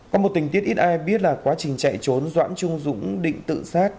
có một tình tiết ít ai biết là quá trình chạy trốn doãn trung dũng định tự sát